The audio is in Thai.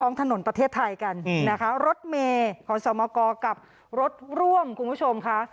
ถนนประเทศไทยกันนะคะรถเมย์ขอสมกกับรถร่วมคุณผู้ชมค่ะ